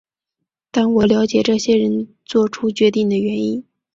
但是我要了解这些人作出决定的原因。